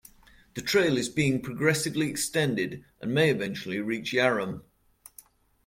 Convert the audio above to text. The trail is being progressively extended, and may eventually reach Yarram.